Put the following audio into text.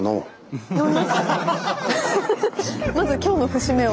まず今日の節目を。